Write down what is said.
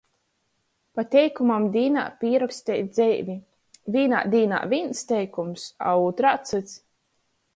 Pa teikumam dīnā pīroksteit dzeivi. Vīnā dīnā vīns teikums, a ūtrā cyts.